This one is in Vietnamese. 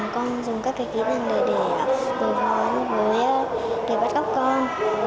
con sẽ dùng các kỹ năng để bắt cóc con